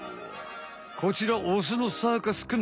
こちらオスのサーカスくん。